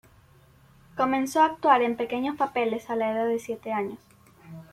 Comenzó a actuar en pequeños papeles a la edad de siete años.